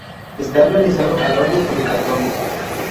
Está realizado al óleo sobre cartón.